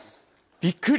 びっくり！